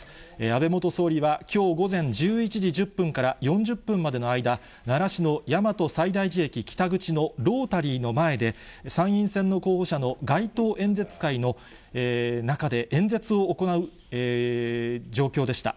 安倍元総理は、きょう午前１１時１０分から４０分までの間、奈良市の大和西大寺駅北口のロータリーの前で、参院選の候補者の街頭演説会の中で、演説を行う状況でした。